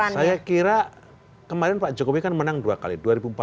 saya kira kemarin pak jokowi kan menang dua kali dua ribu empat belas dua ribu sembilan belas